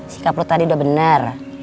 sikap lo tadi udah bener